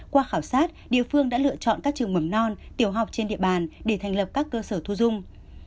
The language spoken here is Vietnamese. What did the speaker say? qua khảo sát địa phương đã lựa chọn các trường mầm non tiểu học trên địa bàn để thành lập các cơ sở thu dung